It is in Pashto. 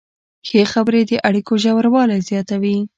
ښې خبرې د اړیکو ژوروالی زیاتوي.